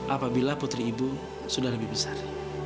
apabila putri ibu sudah lebih besar